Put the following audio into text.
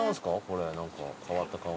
これ何か変わった顔の。